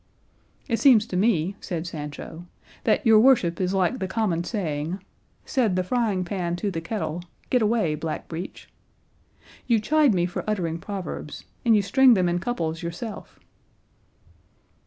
"It seems to me," said Sancho, "that your worship is like the common saying, 'Said the frying pan to the kettle, Get away, blackbreech.' You chide me for uttering proverbs, and you string them in couples yourself."